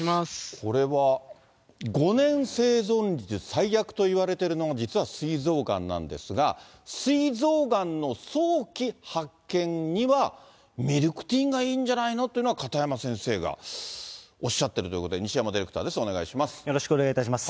これは、５年生存率最悪といわれているのが実はすい臓がんなんですが、すい臓がんの早期発見にはミルクティーがいいんじゃないのというのは片山先生がおっしゃってるということで、西山ディレクターでよろしくお願いいたします。